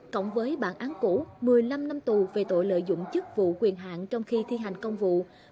cộng với bản án cũ một mươi năm năm tù về tội lợi dụng chức vụ quyền hạn trong khi thi hành công vụ